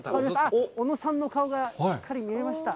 小野さんの顔がしっかり見えました。